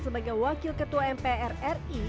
sebagai wakil ketua mpr ri